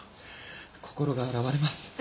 心が洗われます